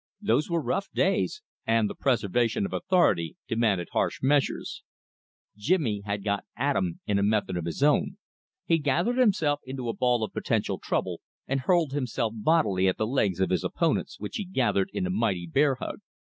Those were rough days, and the preservation of authority demanded harsh measures. Jimmy had got at 'em in a method of his own. He gathered himself into a ball of potential trouble, and hurled himself bodily at the legs of his opponents which he gathered in a mighty bear hug.